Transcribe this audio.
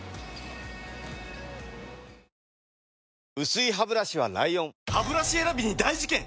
薄いハブラシは ＬＩＯＮハブラシ選びに大事件！